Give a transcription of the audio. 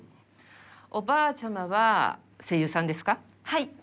おばあちゃまは声優さんですか。